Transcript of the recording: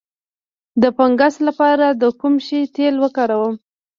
د فنګس لپاره د کوم شي تېل وکاروم؟